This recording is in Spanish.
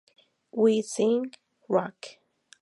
We Sing Rock!